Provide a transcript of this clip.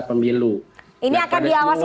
pemilu ini akan diawasi